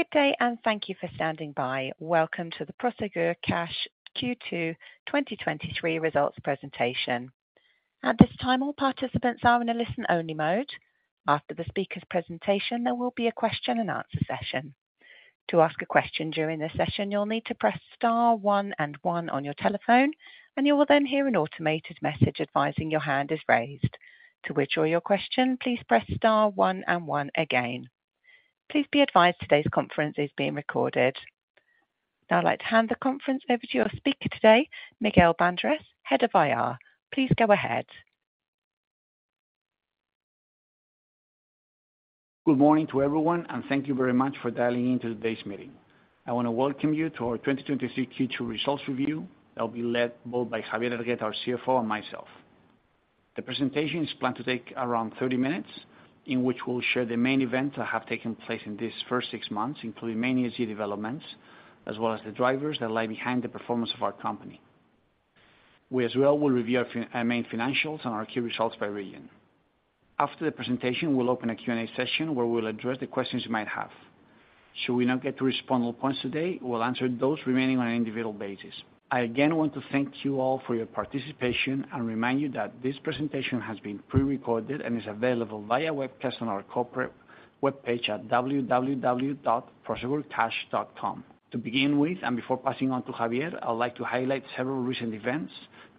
Good day, and thank you for standing by. Welcome to the Prosegur Cash Q2 2023 results presentation. At this time, all participants are in a listen-only mode. After the speaker's presentation, there will be a question and answer session. To ask a question during the session, you'll need to press star one and one on your telephone, and you will then hear an automated message advising your hand is raised. To withdraw your question, please press star one and one again. Please be advised today's conference is being recorded. Now I'd like to hand the conference over to your speaker today, Miguel Bandres, Head of IR. Please go ahead. Good morning to everyone, thank you very much for dialing into today's meeting. I want to welcome you to our 2023 Q2 results review that will be led both by Javier Hergueta, our CFO, and myself. The presentation is planned to take around 30 minutes, in which we'll share the main events that have taken place in this first six months, including many key developments, as well as the drivers that lie behind the performance of our company. We as well will review our main financials and our key results by region. After the presentation, we'll open a Q&A session where we'll address the questions you might have. Should we not get to respond all points today, we'll answer those remaining on an individual basis. I again want to thank you all for your participation and remind you that this presentation has been pre-recorded and is available via webcast on our corporate webpage at www.prosegurcash.com. To begin with, before passing on to Javier, I'd like to highlight several recent events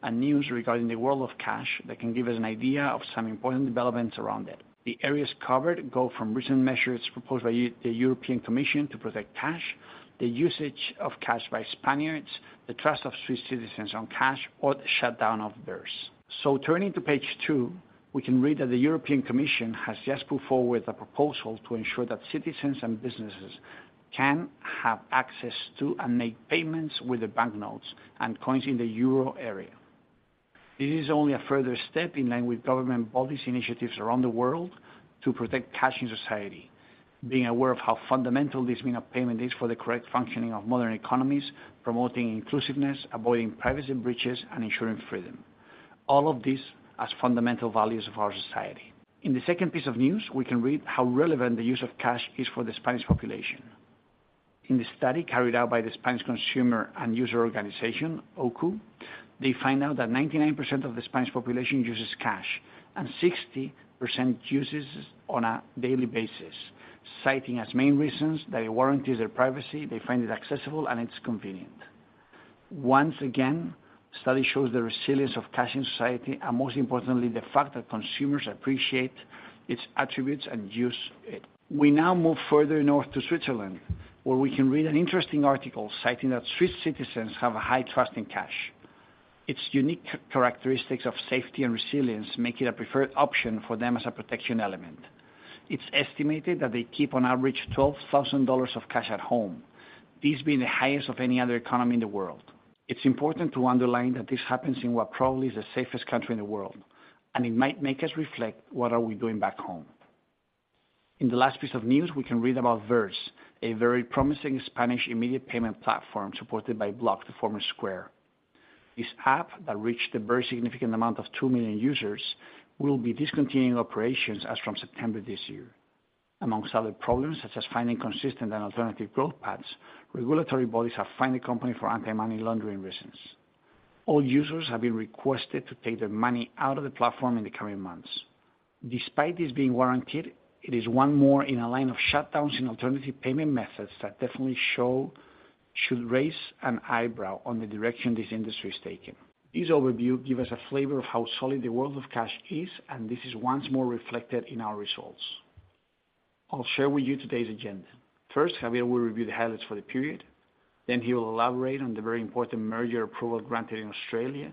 and news regarding the world of cash that can give us an idea of some important developments around it. The areas covered go from recent measures proposed by the European Commission to protect cash, the usage of cash by Spaniards, the trust of Swiss citizens on cash, or the shutdown of Verse. Turning to page two, we can read that the European Commission has just put forward a proposal to ensure that citizens and businesses can have access to and make payments with the banknotes and coins in the Euro area. It is only a further step in line with government bodies initiatives around the world to protect cash in society, being aware of how fundamental this mean of payment is for the correct functioning of modern economies, promoting inclusiveness, avoiding privacy breaches, and ensuring freedom. All of these as fundamental values of our society. In the second piece of news, we can read how relevant the use of cash is for the Spanish population. In the study carried out by the Organisation of Consumers and Users, OCU, they find out that 99% of the Spanish population uses cash, and 60% uses it on a daily basis, citing as main reasons: that it warranties their privacy, they find it accessible, and it's convenient. Once again, study shows the resilience of cash in society and, most importantly, the fact that consumers appreciate its attributes and use it. We now move further north to Switzerland, where we can read an interesting article citing that Swiss citizens have a high trust in cash. Its unique characteristics of safety and resilience make it a preferred option for them as a protection element. It's estimated that they keep, on average, $12,000 of cash at home, these being the highest of any other economy in the world. It's important to underline that this happens in what probably is the safest country in the world. It might make us reflect, what are we doing back home? In the last piece of news, we can read about Verse, a very promising Spanish immediate payment platform supported by Block, the former Square. This app, that reached the very significant amount of 2 million users, will be discontinuing operations as from September this year. Amongst other problems, such as finding consistent and alternative growth paths, regulatory bodies have fined the company for anti-money laundering reasons. All users have been requested to take their money out of the platform in the coming months. Despite this being warranted, it is one more in a line of shutdowns in alternative payment methods that definitely should raise an eyebrow on the direction this industry is taking. This overview give us a flavor of how solid the world of cash is, and this is once more reflected in our results. I'll share with you today's agenda. First, Javier will review the highlights for the period. Then he will elaborate on the very important merger approval granted in Australia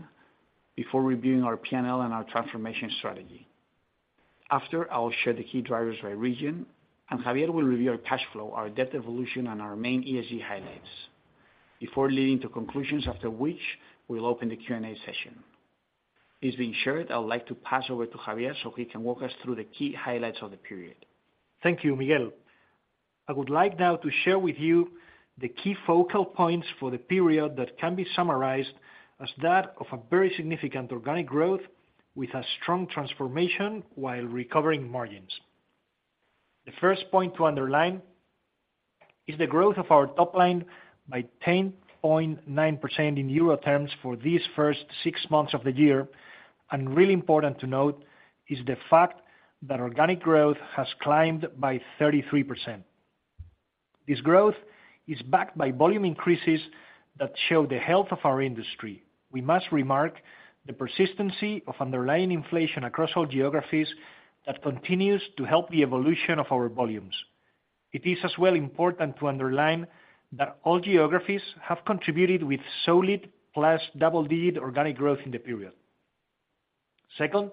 before reviewing our P&L and our transformation strategy. After, I will share the key drivers by region, and Javier will review our cash flow, our debt evolution, and our main ESG highlights before leading to conclusions, after which we will open the Q&A session. This being shared, I would like to pass over to Javier so he can walk us through the key highlights of the period. Thank you, Miguel. I would like now to share with you the key focal points for the period that can be summarized as that of a very significant organic growth with a strong transformation while recovering margins. The first point to underline is the growth of our top line by 10.9% in euro terms for these first 6 months of the year. Really important to note is the fact that organic growth has climbed by 33%. This growth is backed by volume increases that show the health of our industry. We must remark the persistency of underlying inflation across all geographies that continues to help the evolution of our volumes. It is as well important to underline that all geographies have contributed with solid + double-digit organic growth in the period. Second,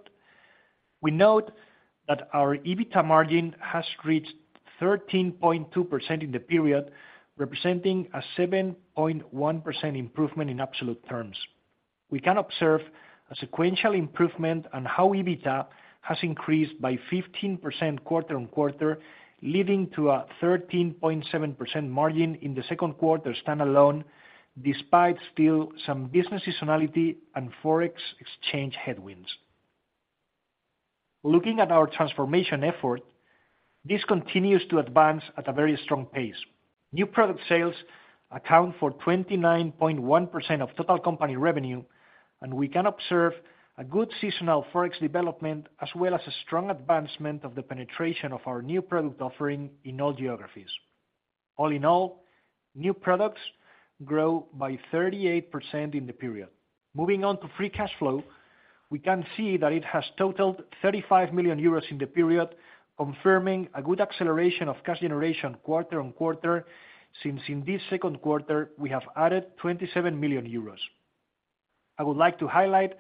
we note that our EBITDA margin has reached 13.2% in the period, representing a 7.1% improvement in absolute terms. We can observe a sequential improvement on how EBITDA has increased by 15% 1/4-on-1/4, leading to a 13.7% margin in the second 1/4 standalone, despite still some business seasonality and Forex exchange headwinds. Looking at our transformation effort, this continues to advance at a very strong pace. New product sales account for 29.1% of total company revenue, and we can observe a good seasonal Forex development, as well as a strong advancement of the penetration of our new product offering in all geographies. All in all, new products grow by 38% in the period. Moving on to free cash flow, we can see that it has totaled 35 million euros in the period, confirming a good acceleration of cash generation 1/4-on-1/4, since in this second 1/4, we have added 27 million euros. I would like to highlight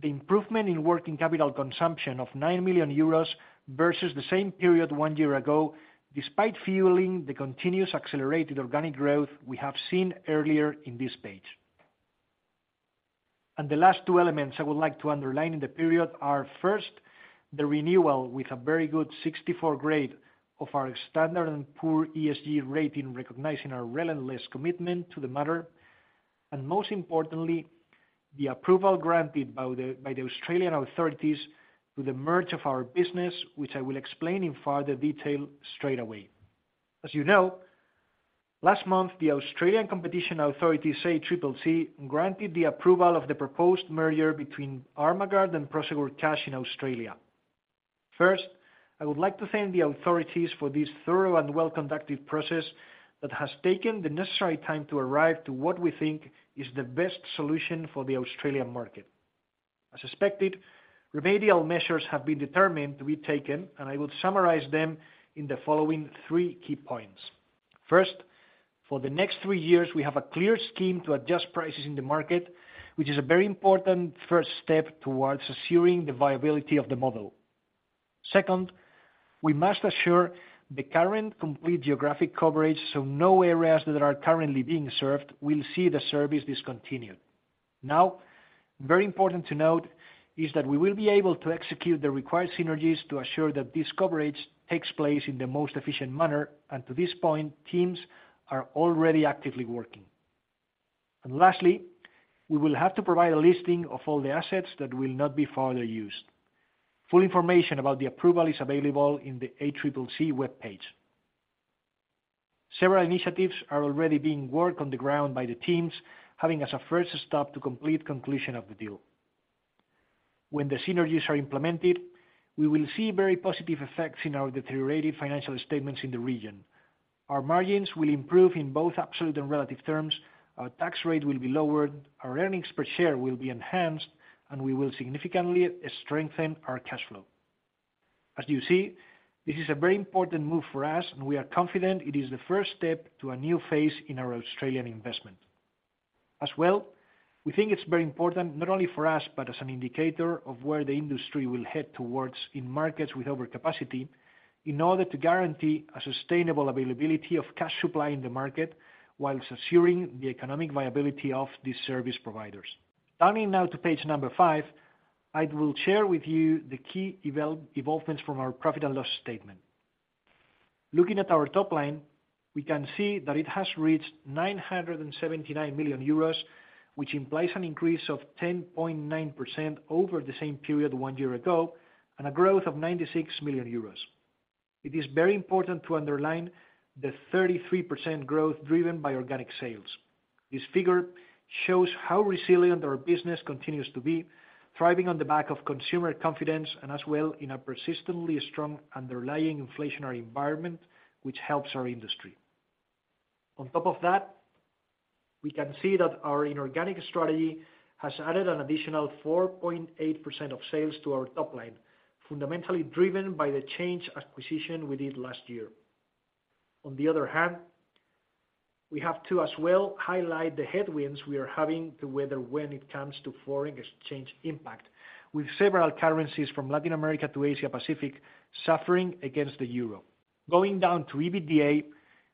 the improvement in working capital consumption of 9 million euros versus the same period 1 year ago, despite fueling the continuous accelerated organic growth we have seen earlier in this page. The last two elements I would like to underline in the period are, first, the renewal, with a very good 64 grade of our S&P Global Ratings ESG rating, recognizing our relentless commitment to the matter, and most importantly, the approval granted by the, by the Australian authorities to the merge of our business, which I will explain in further detail straight away. As you know, last month, the Australian Competition Authority, ACCC, granted the approval of the proposed merger between Armaguard and Prosegur Cash in Australia. First, I would like to thank the authorities for this thorough and well-conducted process that has taken the necessary time to arrive to what we think is the best solution for the Australian market. As suspected, remedial measures have been determined to be taken, and I will summarize them in the following three key points. First, for the next three years, we have a clear scheme to adjust prices in the market, which is a very important first step towards assuring the viability of the model. Second, we must assure the current complete geographic coverage, so no areas that are currently being served will see the service discontinued. Very important to note is that we will be able to execute the required synergies to assure that this coverage takes place in the most efficient manner, and to this point, teams are already actively working. Lastly, we will have to provide a listing of all the assets that will not be further used. Full information about the approval is available in the ACCC webpage. Several initiatives are already being worked on the ground by the teams, having as a first stop to complete conclusion of the deal. When the synergies are implemented, we will see very positive effects in our deteriorated financial statements in the region. Our margins will improve in both absolute and relative terms, our tax rate will be lowered, our earnings per share will be enhanced, and we will significantly strengthen our cash flow. As you see, this is a very important move for us, and we are confident it is the first step to a new phase in our Australian investment. We think it's very important, not only for us, but as an indicator of where the industry will head towards in markets with overcapacity, in order to guarantee a sustainable availability of cash supply in the market, whilst assuring the economic viability of these service providers. Turning now to page number 5, I will share with you the key evolve, involvements from our profit and loss statement. Looking at our top line, we can see that it has reached 979 million euros, which implies an increase of 10.9% over the same period 1 year ago, and a growth of 96 million euros. It is very important to underline the 33% growth driven by organic sales. This figure shows how resilient our business continues to be, thriving on the back of consumer confidence and as well in a persistently strong underlying inflationary environment, which helps our industry. On top of that, we can see that our inorganic strategy has added an additional 4.8% of sales to our top line, fundamentally driven by the ChangeGroup acquisition we did last year. On the other hand, we have to as well highlight the headwinds we are having to weather when it comes to foreign exchange impact, with several currencies from Latin America to Asia Pacific suffering against the euro. Going down to EBITDA,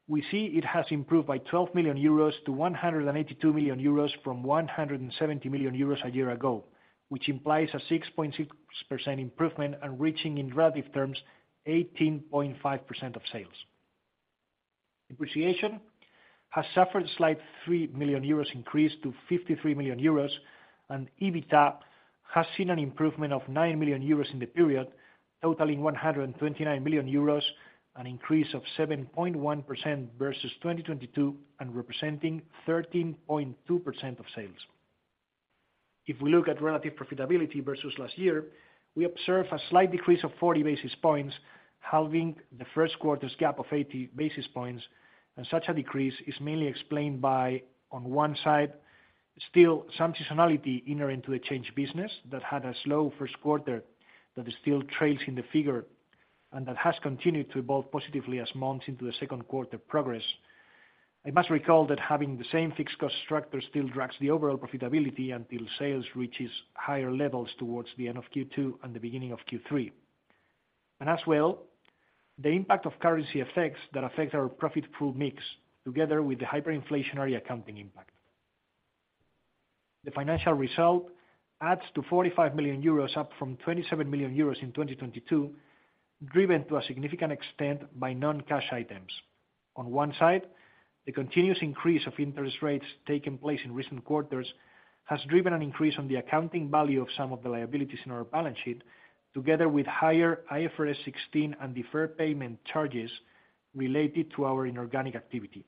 we see it has improved by 12 million euros to 182 million euros from 170 million euros a year ago, which implies a 6.6% improvement and reaching, in relative terms, 18.5% of sales. Depreciation has suffered slight 3 million euros increase to 53 million euros, and EBITDA has seen an improvement of 9 million euros in the period, totaling 129 million euros, an increase of 7.1% versus 2022, and representing 13.2% of sales. If we look at relative profitability versus last year, we observe a slight decrease of 40 basis points, halving the first 1/4's gap of 80 basis points, and such a decrease is mainly explained by, on one side, still some seasonality inherent to the change business that had a slow first 1/4 that still trails in the figure, and that has continued to evolve positively as months into the second 1/4 progress. I must recall that having the same fixed cost structure still drags the overall profitability until sales reaches higher levels towards the end of Q2 and the beginning of Q3. As well, the impact of currency effects that affect our profit pool mix, together with the hyperinflationary accounting impact. The financial result adds to 45 million euros, up from 27 million euros in 2022. Driven to a significant extent by non-cash items. On one side, the continuous increase of interest rates taking place in recent 1/4s, has driven an increase on the accounting value of some of the liabilities in our balance sheet, together with higher IFRS 16 and deferred payment charges related to our inorganic activity.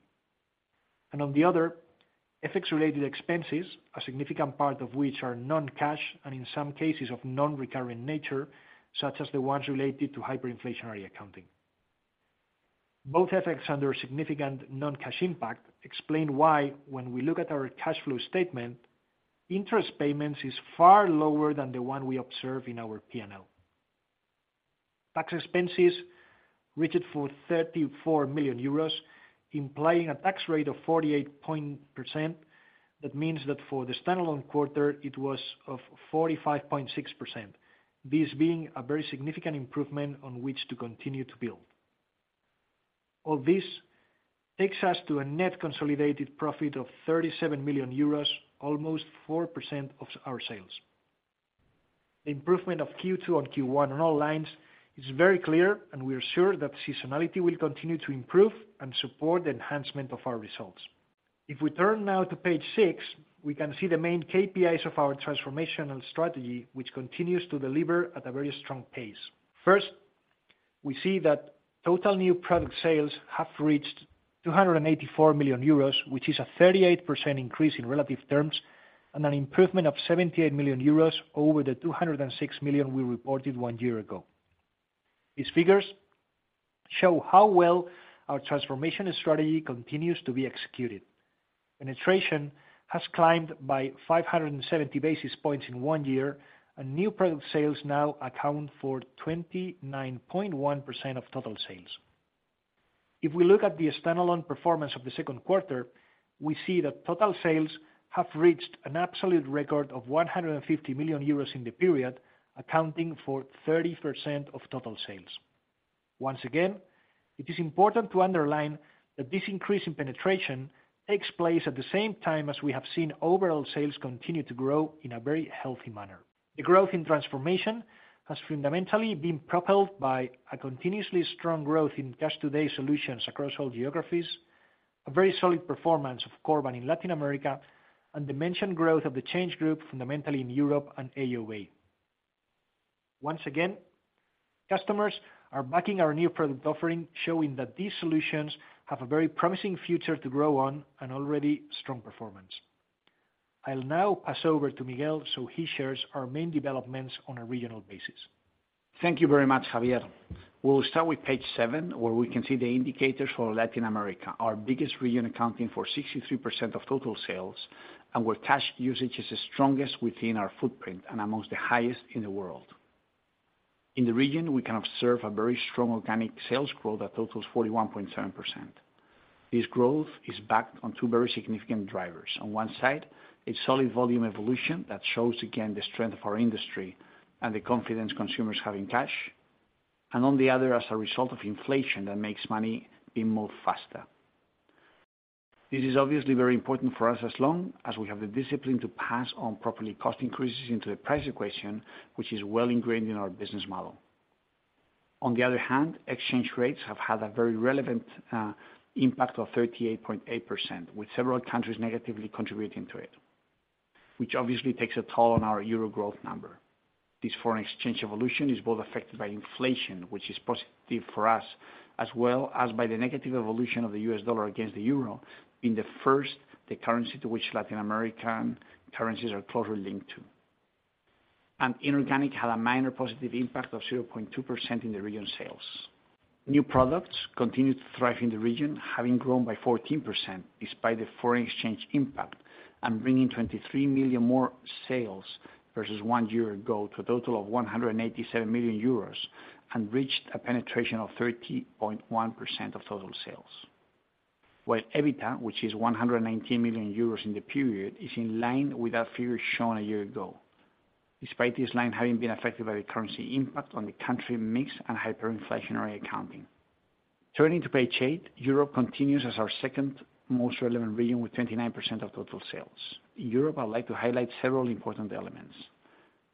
On the other, FX-related expenses, a significant part of which are non-cash, and in some cases of non-recurring nature, such as the ones related to hyperinflationary accounting. Both effects under significant non-cash impact, explain why when we look at our cash flow statement, interest payments is far lower than the one we observe in our P&L. Tax expenses reached for 34 million euros, implying a tax rate of forty-eight point %. That means that for the standalone 1/4, it was of 45.6%, this being a very significant improvement on which to continue to build. All this takes us to a net consolidated profit of 37 million euros, almost 4% of our sales. The improvement of Q2 on Q1 on all lines is very clear, and we are sure that seasonality will continue to improve and support the enhancement of our results. If we turn now to page 6, we can see the main KPIs of our transformational strategy, which continues to deliver at a very strong pace. First, we see that total new product sales have reached 284 million euros, which is a 38% increase in relative terms, and an improvement of 78 million euros over the 206 million we reported 1 year ago. These figures show how well our transformation strategy continues to be executed. Penetration has climbed by 570 basis points in 1 year, new product sales now account for 29.1% of total sales. If we look at the standalone performance of the second 1/4, we see that total sales have reached an absolute record of 150 million euros in the period, accounting for 30% of total sales. Once again, it is important to underline that this increase in penetration takes place at the same time as we have seen overall sales continue to grow in a very healthy manner. The growth in transformation has fundamentally been propelled by a continuously strong growth in Cash Today solutions across all geographies, a very solid performance of Corban in Latin America, and the mentioned growth of the ChangeGroup, fundamentally in Europe and AOA. Once again, customers are backing our new product offering, showing that these solutions have a very promising future to grow on, an already strong performance. I'll now pass over to Miguel, so he shares our main developments on a regional basis. Thank you very much, Javier. We'll start with page seven, where we can see the indicators for Latin America, our biggest region, accounting for 63% of total sales, where cash usage is the strongest within our footprint and amongst the highest in the world. In the region, we can observe a very strong organic sales growth that totals 41.7%. This growth is backed on two very significant drivers. On one side, a solid volume evolution that shows, again, the strength of our industry and the confidence consumers have in cash. On the other, as a result of inflation, that makes money be moved faster. This is obviously very important for us, as long as we have the discipline to pass on properly cost increases into the price equation, which is well ingrained in our business model. On the other hand, exchange rates have had a very relevant impact of 38.8%, with several countries negatively contributing to it, which obviously takes a toll on our euro growth number. This foreign exchange evolution is both affected by inflation, which is positive for us, as well as by the negative evolution of the US dollar against the euro. In the first, the currency to which Latin American currencies are closely linked to. Inorganic had a minor positive impact of 0.2% in the region sales. New products continued to thrive in the region, having grown by 14% despite the foreign exchange impact, bringing 23 million more sales versus one year ago, to a total of 187 million euros, and reached a penetration of 13.1% of total sales. While EBITDA, which is 119 million euros in the period, is in line with that figure shown a year ago, despite this line having been affected by the currency impact on the country mix and hyperinflationary accounting. Turning to page 8, Europe continues as our second most relevant region with 29% of total sales. In Europe, I'd like to highlight several important elements.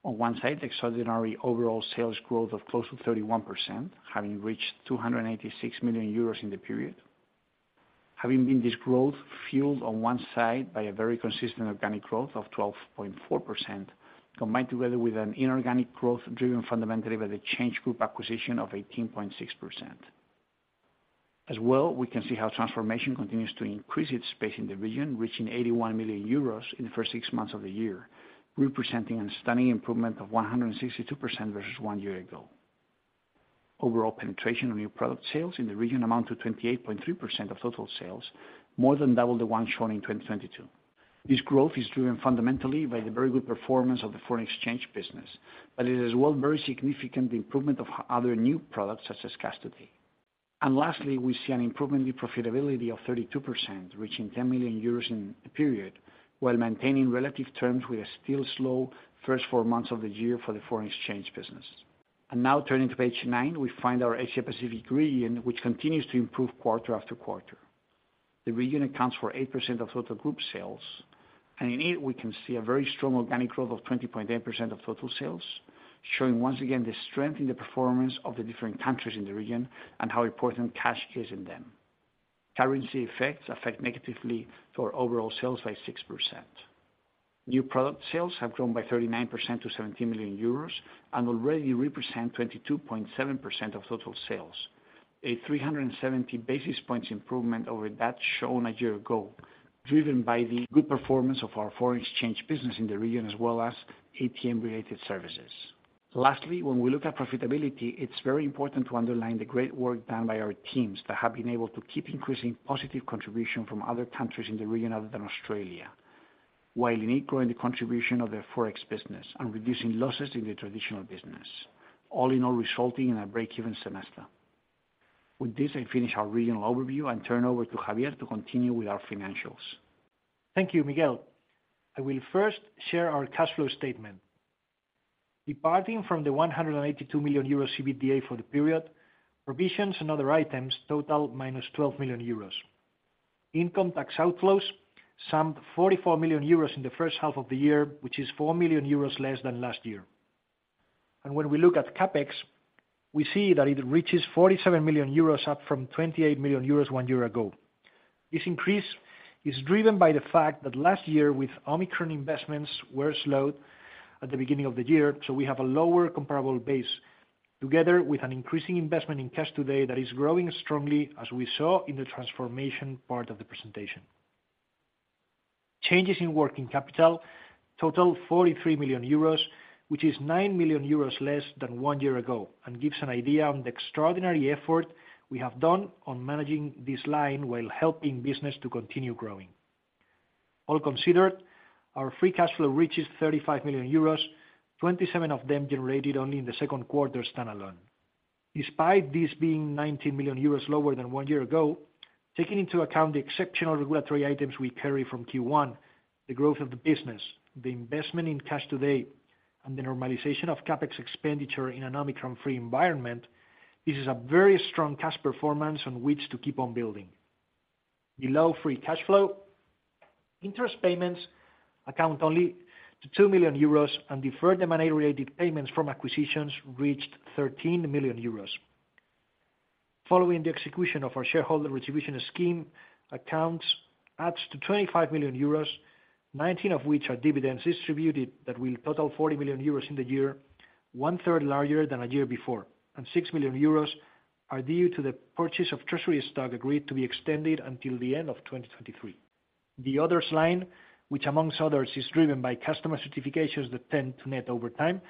On one side, extraordinary overall sales growth of close to 31%, having reached 286 million euros in the period. Having been this growth fueled on one side by a very consistent organic growth of 12.4%, combined together with an inorganic growth driven fundamentally by the ChangeGroup acquisition of 18.6%. As well, we can see how transformation continues to increase its space in the region, reaching 81 million euros in the first six months of the year, representing a stunning improvement of 162% versus one year ago. Overall penetration of new product sales in the region amount to 28.3% of total sales, more than double the one shown in 2022. This growth is driven fundamentally by the very good performance of the foreign exchange business, but it is very significant, the improvement of other new products, such as custody. Lastly, we see an improvement in profitability of 32%, reaching 10 million euros in the period, while maintaining relative terms with a still slow first four months of the year for the foreign exchange business. Now, turning to page nine, we find our Asia Pacific region, which continues to improve 1/4 after 1/4. The region accounts for 8% of total group sales, and in it, we can see a very strong organic growth of 20.8% of total sales, showing once again, the strength in the performance of the different countries in the region and how important cash is in them. Currency effects affect negatively to our overall sales by 6%. New product sales have grown by 39% to 17 million euros, and already represent 22.7% of total sales, a 370 basis points improvement over that shown a year ago, driven by the good performance of our foreign exchange business in the region, as well as ATM-related services. When we look at profitability, it's very important to underline the great work done by our teams that have been able to keep increasing positive contribution from other countries in the region other than Australia, while in equal in the contribution of their Forex business and reducing losses in the traditional business, all in all, resulting in a break-even semester. With this, I finish our regional overview and turn over to Javier to continue with our financials. Thank you, Miguel. I will first share our cash flow statement. Departing from the 182 million euro EBITA for the period, provisions and other items total -12 million euros. Income tax outflows summed 44 million euros in the first 1/2 of the year, which is 4 million euros less than last year. When we look at CapEx, we see that it reaches 47 million euros, up from 28 million euros one year ago. This increase is driven by the fact that last year, with Omicron, investments were slowed at the beginning of the year, so we have a lower comparable base, together with an increasing investment in Cash Today that is growing strongly, as we saw in the transformation part of the presentation. Changes in working capital total 43 million euros, which is 9 million euros less than one year ago, gives an idea on the extraordinary effort we have done on managing this line, while helping business to continue growing. All considered, our free cash flow reaches 35 million euros, 27 of them generated only in the second 1/4 standalone. Despite this being 19 million euros lower than one year ago, taking into account the exceptional regulatory items we carry from Q1, the growth of the business, the investment in Cash Today, and the normalization of CapEx expenditure in an Omicron-free environment, this is a very strong cash performance on which to keep on building. Below free cash flow, interest payments account only to 2 million euros. Deferred M&A-related payments from acquisitions reached 13 million euros. Following the execution of our shareholder retribution scheme, accounts adds to 25 million euros, 19 of which are dividends distributed, that will total 40 million euros in the year, one-third larger than a year before, and 6 million euros are due to the purchase of treasury stock agreed to be extended until the end of 2023. The others line, which amongst others, is driven by customer attritions that tend to net over time,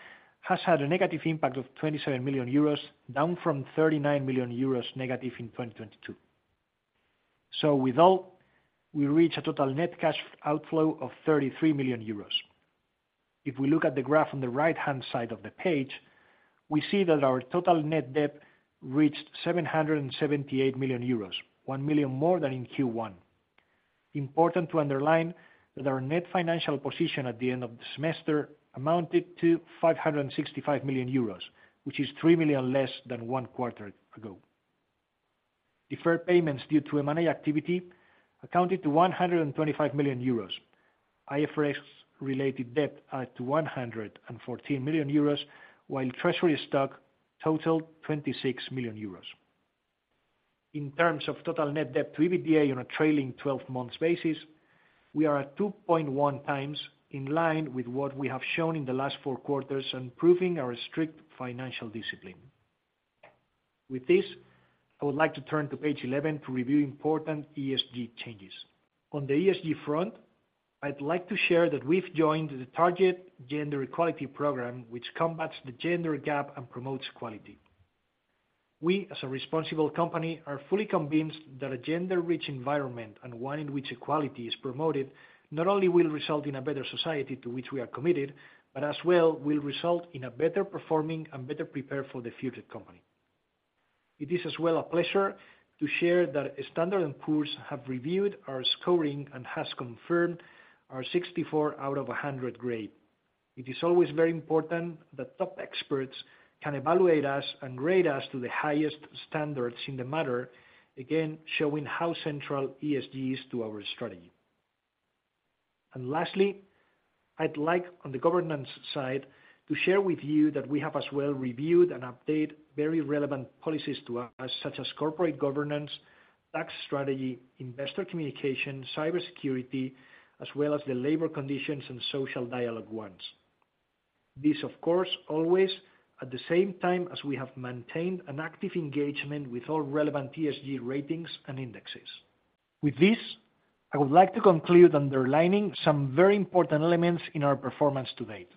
has had a negative impact of 27 million euros, down from 39 million euros negative in 2022. With all, we reach a total net cash outflow of 33 million euros. If we look at the graph on the right-hand side of the page, we see that our total net debt reached 778 million euros, 1 million more than in Q1. Important to underline that our net financial position at the end of the semester amounted to 565 million euros, which is 3 million less than 1 1/4 ago. Deferred payments due to M&A activity accounted to 125 million euros. IFRS related debt add to 114 million euros, while treasury stock totaled 26 million euros. In terms of total net debt to EBITDA on a trailing 12-month basis, we are at 2.1 times in line with what we have shown in the last 4 1/4s and proving our strict financial discipline. With this, I would like to turn to page 11 to review important ESG changes. On the ESG front, I'd like to share that we've joined the Target Gender Equality program, which combats the gender gap and promotes equality. We, as a responsible company, are fully convinced that a gender-rich environment and one in which equality is promoted, not only will result in a better society to which we are committed, but as well will result in a better performing and better prepared for the future company. It is as well a pleasure to share that S&P Global Ratings have reviewed our scoring and has confirmed our 64 out of 100 grade. It is always very important that top experts can evaluate us and grade us to the highest standards in the matter, again, showing how central ESG is to our strategy. Lastly, I'd like, on the governance side, to share with you that we have as well reviewed and updated very relevant policies to us, such as corporate governance, tax strategy, investor communication, cybersecurity, as well as the labor conditions and social dialogue ones. This, of course, always at the same time as we have maintained an active engagement with all relevant ESG ratings and indexes. With this, I would like to conclude underlining some very important elements in our performance to date.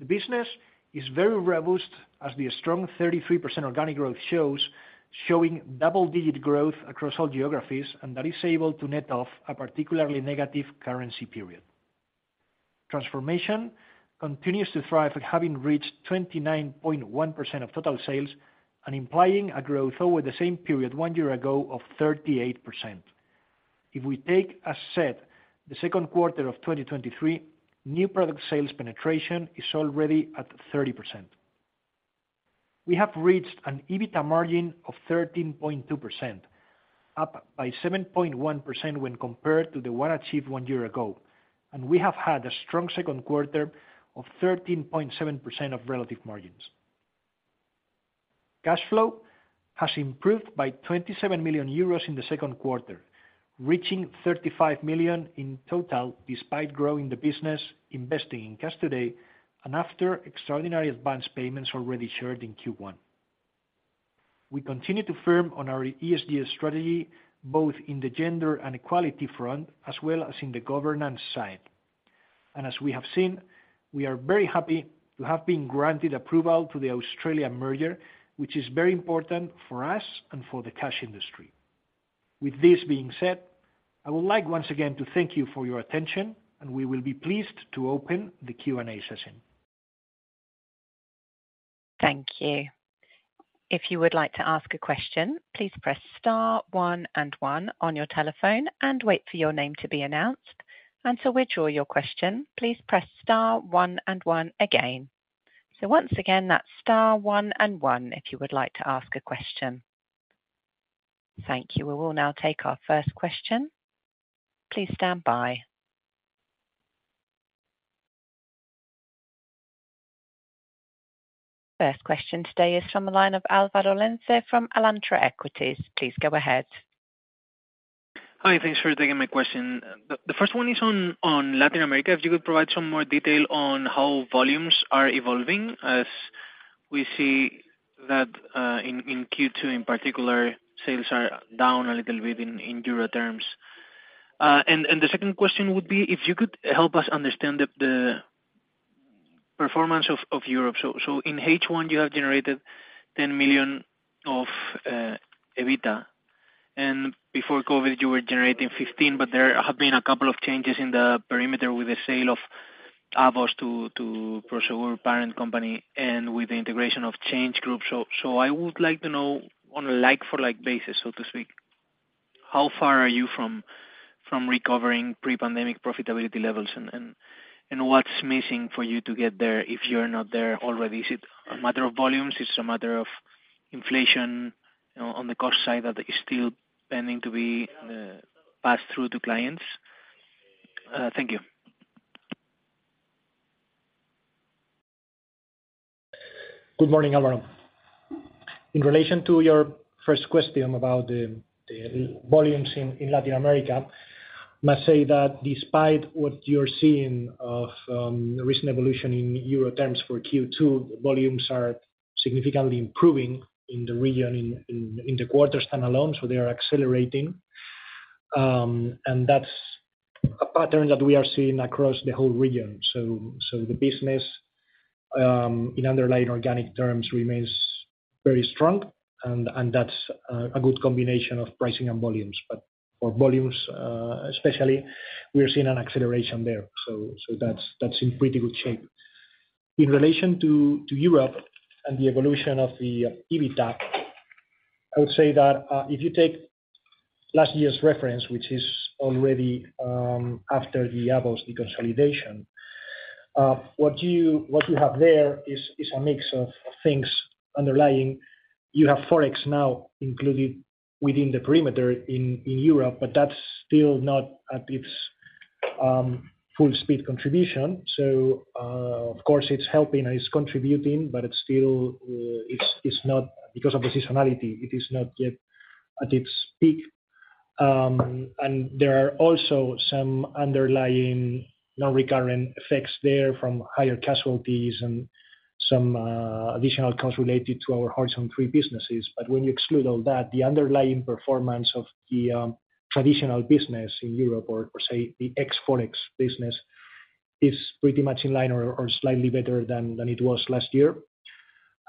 The business is very robust, as the strong 33% organic growth shows, showing double-digit growth across all geographies, that is able to net off a particularly negative currency period. Transformation continues to thrive, having reached 29.1% of total sales and implying a growth over the same period one year ago of 38%. If we take as set, the Q2 2023, new product sales penetration is already at 30%. we have reached an EBITDA margin of 13.2%, up by 7.1% when compared to the one achieved 1 year ago, and we have had a strong second 1/4 of 13.7% of relative margins. Cash flow has improved by 27 million euros in the second 1/4, reaching 35 million in total, despite growing the business, investing in Cash Today, and after extraordinary advanced payments already shared in Q1. We continue to firm on our ESG strategy, both in the gender and equality front, as well as in the governance side. As we have seen, we are very happy to have been granted approval to the Australian merger, which is very important for us and for the cash industry. With this being said, I would like once again to thank you for your attention, and we will be pleased to open the Q&A session. Thank you. If you would like to ask a question, please press star one and one on your telephone and wait for your name to be announced. To withdraw your question, please press star one and one again. Once again, that's star one and one, if you would like to ask a question. Thank you. We will now take our first question. Please stand by. First question today is from the line of Alvaro Lenze from Alantra Equities. Please go ahead. Hi, thanks for taking my question. The first one is on Latin America. If you could provide some more detail on how volumes are evolving, as we see that in Q2, in particular, sales are down a little bit in Euro terms. The second question would be if you could help us understand the performance of Europe. In H1, you have generated 10 million of EBITDA, and before COVID, you were generating 15 million, there have been a couple of changes in the perimeter with the sale of AVOS to Prosegur parent company and with the integration of ChangeGroup. I would like to know, on a like for like basis, so to speak, how far are you from recovering pre-pandemic profitability levels? What's missing for you to get there, if you're not there already? Is it a matter of volumes? Is it a matter of inflation on the cost side that is still pending to be passed through to clients? Thank you. Good morning, Alvaro. In relation to your first question about the, the volumes in, in Latin America, I must say that despite what you're seeing of, recent evolution in euro terms for Q2, the volumes are significantly improving in the region in, in, in the 1/4 stand alone, so they are accelerating. That's a pattern that we are seeing across the whole region. The business in underlying organic terms remains very strong, and that's a good combination of pricing and volumes. For volumes, especially, we are seeing an acceleration there. That's, that's in pretty good shape. In relation to, to Europe and the evolution of the EBITDA, I would say that if you take last year's reference, which is already after the AVOS deconsolidation, what you, what you have there is, is a mix of things underlying. You have Forex now included within the perimeter in, in Europe, but that's still not at its full speed contribution. Of course, it's helping and it's contributing, but it's still, it's, it's not because of the seasonality, it is not yet at its peak. There are also some underlying non-recurrent effects there from higher casualties and some additional costs related to our Horizon Three businesses. When you exclude all that, the underlying performance of the traditional business in Europe or, or say the ex-Forex business, is pretty much in line or, or slightly better than, than it was last year.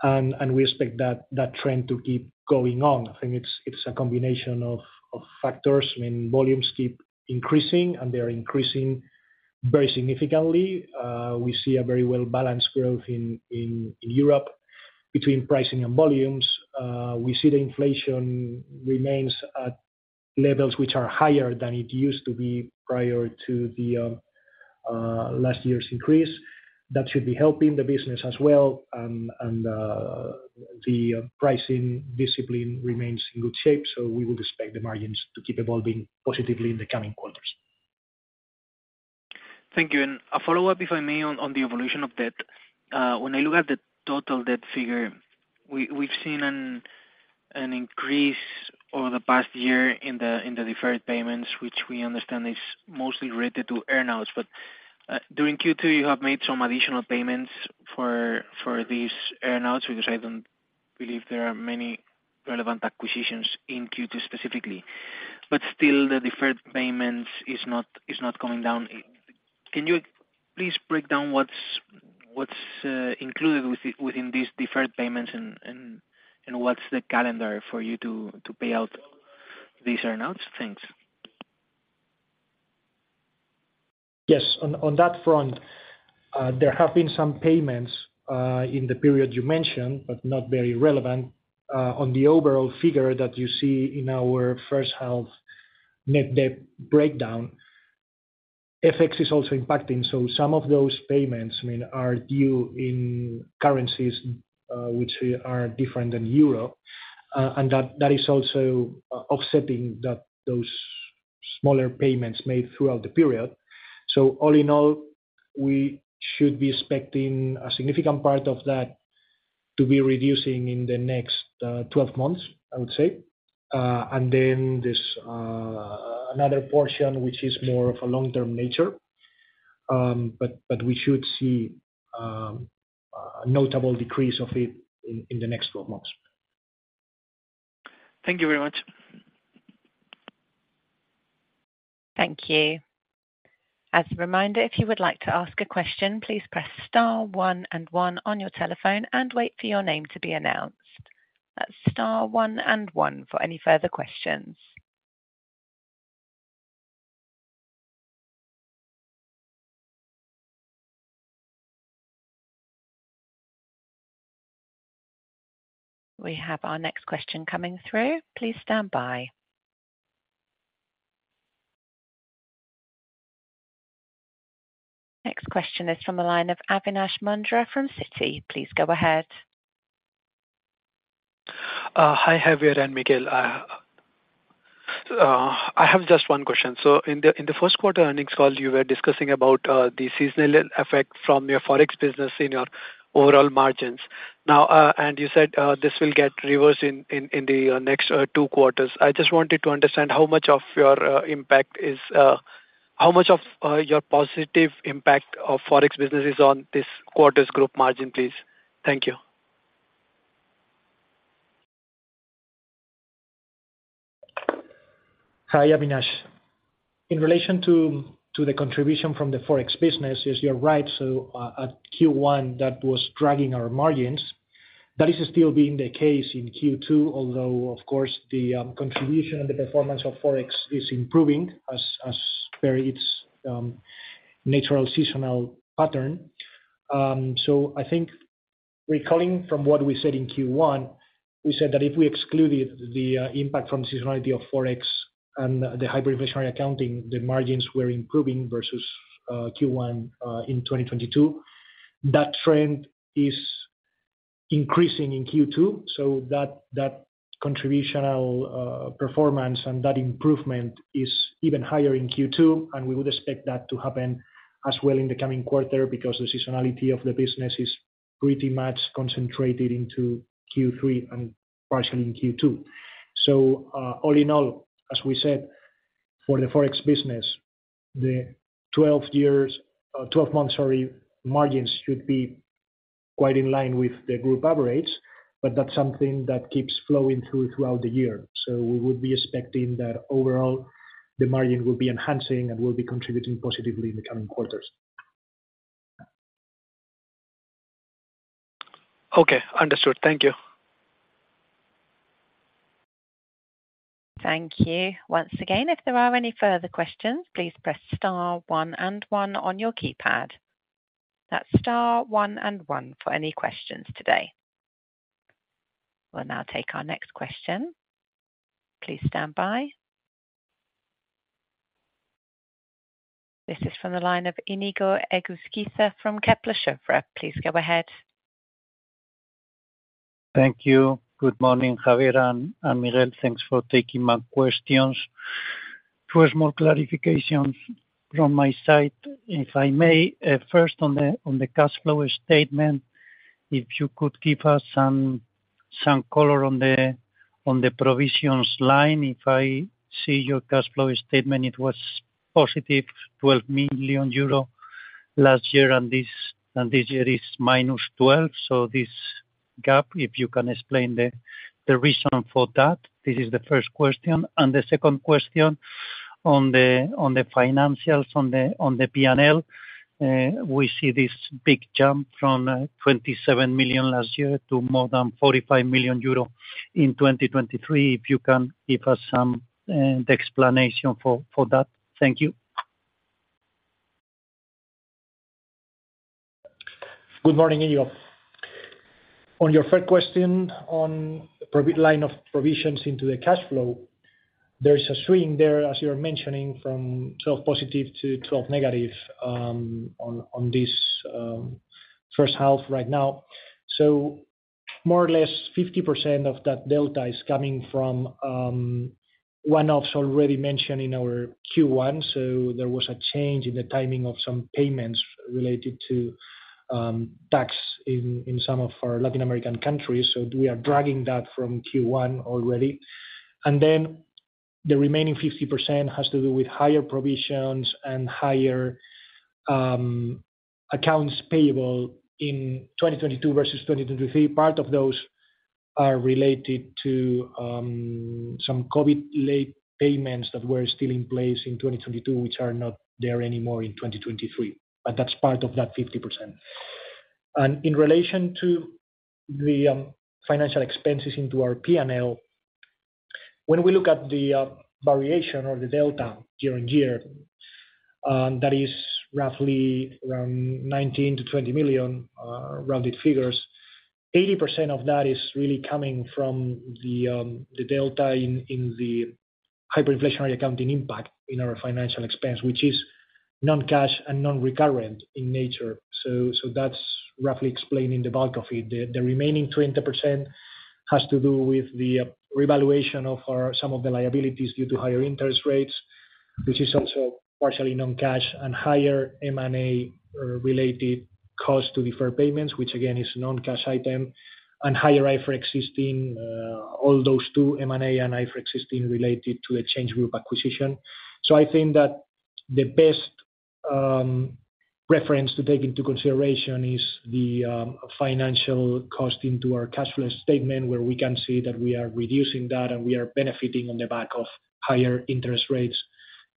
We expect that, that trend to keep going on. I think it's, it's a combination of, of factors. I mean, volumes keep increasing, and they are increasing very significantly. We see a very well-balanced growth in Europe between pricing and volumes. We see the inflation remains at levels which are higher than it used to be prior to the last year's increase. That should be helping the business as well. The pricing discipline remains in good shape, so we would expect the margins to keep evolving positively in the coming 1/4s. Thank you. A follow-up, if I may, on the evolution of debt. When I look at the total debt figure, we've seen an increase over the past year in the deferred payments, which we understand is mostly related to earn-outs. During Q2, you have made some additional payments for these earn-outs, because I don't believe there are many relevant acquisitions in Q2 specifically. Still, the deferred payments is not going down. Can you please break down what's included within these deferred payments, and what's the calendar for you to pay out these earn-outs? Thanks. Yes. On, on that front, there have been some payments in the period you mentioned, but not very relevant on the overall figure that you see in our first 1/2 net debt breakdown. FX is also impacting, so some of those payments, I mean, are due in currencies which are different than euro. That, that is also offsetting that those smaller payments made throughout the period. All in all, we should be expecting a significant part of that to be reducing in the next 12 months, I would say. Then this another portion, which is more of a long-term nature. But, but we should see a notable decrease of it in, in the next 12 months. Thank you very much. Thank you. As a reminder, if you would like to ask a question, please press star 1 and 1 on your telephone and wait for your name to be announced. That's star 1 and 1 for any further questions. We have our next question coming through. Please stand by. Next question is from the line of Avinash Mundhra from Citi. Please go ahead. Hi, Javier and Miguel. I have just one question. In the first 1/4 earnings call, you were discussing about the seasonal effect from your Forex business in your overall margins. You said this will get reversed in the next two 1/4s. I just wanted to understand how much of your positive impact of Forex business is on this 1/4's group margin, please? Thank you. Hi, Avinash. In relation to the contribution from the Forex business, yes, you're right. At Q1, that was dragging our margins. That is still being the case in Q2, although, of course, the contribution and the performance of Forex is improving as per its natural seasonal pattern. I think recalling from what we said in Q1, we said that if we excluded the impact from seasonality of Forex and the hyperinflationary accounting, the margins were improving versus Q1 in 2022. That trend is increasing in Q2, so that, that contributional performance and that improvement is even higher in Q2, and we would expect that to happen as well in the coming 1/4, because the seasonality of the business is pretty much concentrated into Q3 and partially in Q2. All in all, as we said, for the Forex business, the 12 years, 12 months, sorry, margins should be quite in line with the group average, but that's something that keeps flowing through throughout the year. We would be expecting that overall, the margin will be enhancing and will be contributing positively in the coming 1/4s. Okay, understood. Thank you. Thank you. Once again, if there are any further questions, please press star one and one on your keypad. That's star one and one for any questions today. We'll now take our next question. Please stand by. This is from the line of Inigo Egusquiza from Kepler Cheuvreux. Please go ahead. Thank you. Good morning, Javier and Miguel. Thanks for taking my questions. Two small clarifications from my side, if I may, first on the cash flow statement, if you could give us some color on the provisions line. If I see your cash flow statement, it was positive 12 million euro last year, and this year is minus 12. This gap, if you can explain the reason for that. This is the first question. The second question, on the financials, on the PNL, we see this big jump from 27 million last year to more than 45 million euro in 2023. If you can give us some the explanation for that. Thank you. Good morning, Inigo. On your first question, on pro- line of provisions into the cash flow, there is a swing there, as you're mentioning, from 12 positive to 12 negative on this first 1/2 right now. More or less, 50% of that delta is coming from one-offs already mentioned in our Q1. There was a change in the timing of some payments related to tax in some of our Latin American countries, so we are dragging that from Q1 already. The remaining 50% has to do with higher provisions and higher accounts payable in 2022 versus 2023. Part of those are related to some COVID late payments that were still in place in 2022, which are not there anymore in 2023, but that's part of that 50%. In relation to the financial expenses into our P&L, when we look at the variation or the delta year on year, that is roughly around 19 million-20 million, rounded figures. 80% of that is really coming from the delta in the hyperinflationary accounting impact in our financial expense, which is non-cash and non-recurrent in nature. That's roughly explaining the bulk of it. The remaining 20% has to do with the revaluation of our some of the liabilities due to higher interest rates, which is also partially non-cash and higher M&A related costs to deferred payments, which again, is non-cash item and higher IFRIC 16. All those two, M&A and IFRIC 16, related to a ChangeGroup acquisition. I think that the best reference to take into consideration is the financial cost into our cash flow statement, where we can see that we are reducing that, and we are benefiting on the back of higher interest rates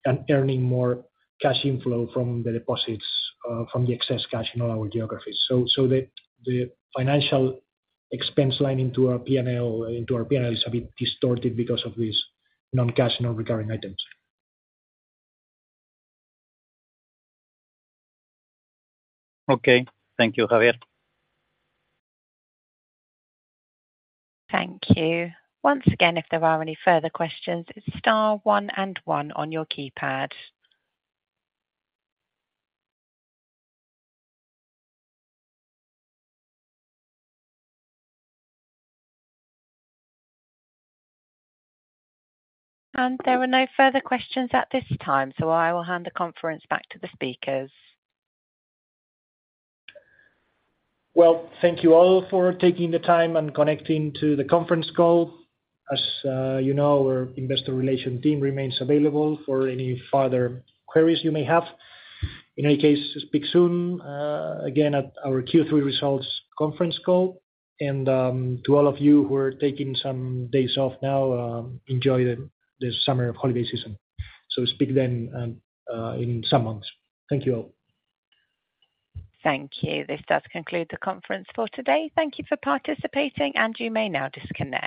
and earning more cash inflow from the deposits, from the excess cash in all our geographies. The, the financial expense line into our P&L, into our P&L is a bit distorted because of these non-cash, non-recurring items. Okay. Thank you, Javier. Thank you. Once again, if there are any further questions, it's star one and one on your keypad. There are no further questions at this time, so I will hand the conference back to the speakers. Well, thank you all for taking the time and connecting to the conference call. As, you know, our investor relation team remains available for any further queries you may have. In any case, speak soon, again, at our Q3 results conference call, and to all of you who are taking some days off now, enjoy the summer holiday season. Speak then, in some months. Thank you all. Thank you. This does conclude the conference for today. Thank you for participating, and you may now disconnect.